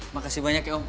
makasih banyak ya om